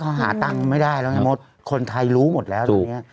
เพราะว่าเขาหาตั้งไม่ได้คนไทยรู้หมดแล้วนี้